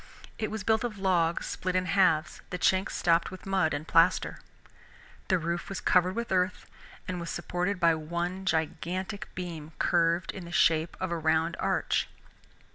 It was built of logs split in halves, the chinks stopped with mud and plaster. The roof was covered with earth and was supported by one gigantic beam curved in the shape of a round arch.